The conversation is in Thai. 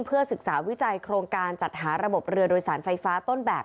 เพื่อศึกษาวิจัยโครงการจัดหาระบบเรือโดยสารไฟฟ้าต้นแบบ